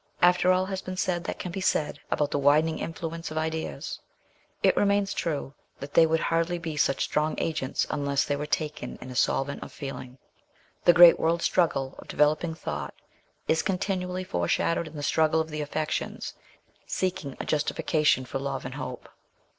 After all has been said that can be said about the widening influence of ideas, it remains true that they would hardly be such strong agents unless they were taken in a solvent of feeling. The great world struggle of developing thought is continually foreshadowed in the struggle of the affections, seeking a justification for love and hope.